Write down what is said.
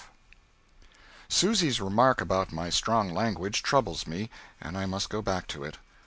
Susy's remark about my strong language troubles me, and I must go back to it.